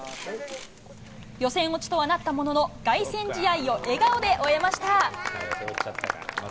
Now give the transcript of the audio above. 予選落ちとはなったものの、凱旋試合を笑顔で終えました。